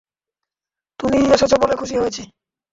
তুমি এসেছো বলে খুশি হয়েছি!